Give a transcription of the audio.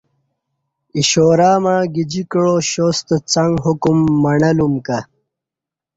اِشارہ مع گجی کعہ شاستہ څݩگ حکم مݨہلُوم کہ۔